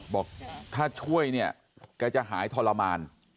บอกถ้าช่วยแกจะหายทรมาน